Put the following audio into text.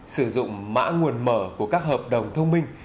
sử dụng mã nguồn mở của các hợp đồng thông minh